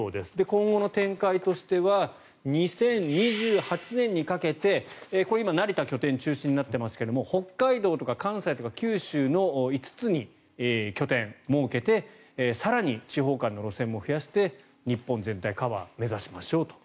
今後の展開としては２０２８年にかけて今、成田拠点中心となっていますが北海道とか関西とか九州の５つに拠点を設けて更に地方間の路線も増やして日本全体のカバーを目指しましょうと。